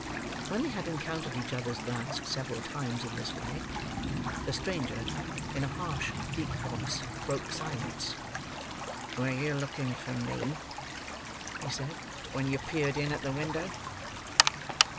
When they had encountered each other's glance several times in this way, the stranger, in a harsh, deep voice, broke silence. "Were you looking for me," he said, "when you peered in at the window?"